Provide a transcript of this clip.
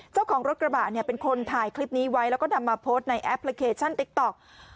เจ้าของรถกระบะเนี่ยเป็นคนถ่ายคลิปนี้ไว้แล้วก็นำมาโพสต์ในแอปพลิเคชันติ๊กต๊อก